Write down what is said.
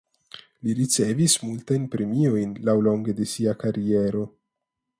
Li ricevis multajn premiojn laŭlonge de sia kariero.